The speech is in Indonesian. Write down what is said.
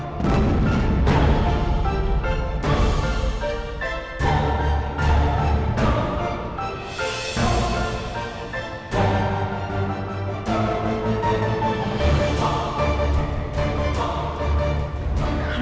sampai jumpa lagi